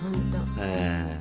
ええ。